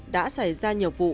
đã xảy ra nhiều vụ